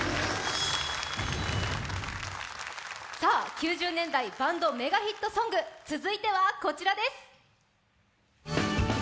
さあ、９０年代バンドメガヒットソング、続いてはこちらです！